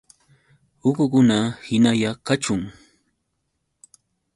¡Uqukuna hinalla kachun!